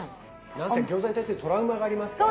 なんせ餃子に対するトラウマがありますから。